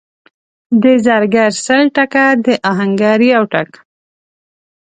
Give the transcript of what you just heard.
د زرګر سل ټکه، د اهنګر یو ټک.